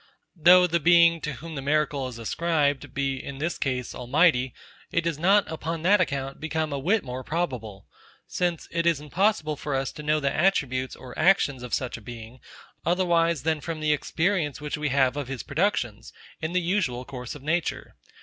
Though the Being to whom the miracle is ascribed, be, in this case, Almighty, it does not, upon that account, become a whit more probable; since it is impossible for us to know the attributes or actions of such a Being, otherwise than from the experience which we have of his productions, in the usual course of nature.